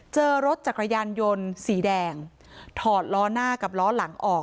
เจอรถจักรยานยนต์สีแดงรถหน้ากับรถหลังออก